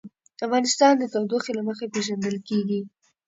افغانستان د تودوخه له مخې پېژندل کېږي.